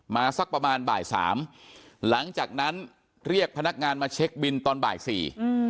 สักประมาณบ่ายสามหลังจากนั้นเรียกพนักงานมาเช็คบินตอนบ่ายสี่อืม